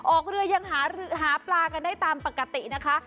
ออกเรือยังหาปลากันได้ตามปกตินะคะ